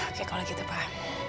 oke kalau gitu pak